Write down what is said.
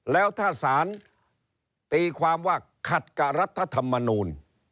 แล้วถ้าสารตีความว่าขัดกับรัฐธรรมนูล